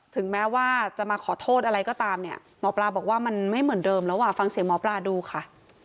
ถึงแม้ว่าจะมาขอโทษอะไรก็ตามเนี่ยหมอปลาบอกว่ามันไม่เหมือนเดิมแล้วอ่ะฟังเสียงหมอปลาดูค่ะ